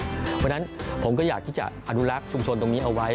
เพราะฉะนั้นผมก็อยากที่จะอนุรักษ์ชุมชนตรงนี้เอาไว้